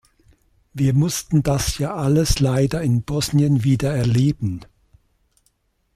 Wir mussten das ja alles leider in Bosnien wieder erleben.